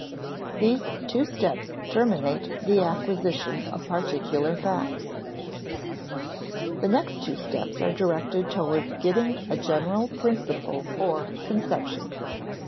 These two steps terminate the acquisition of particular facts. The next two steps are directed toward getting a general principle or conception.